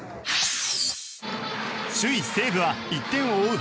首位、西武は１点を追う